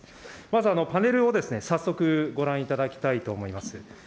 まず、パネルをですね、早速、ご覧いただきたいと思います。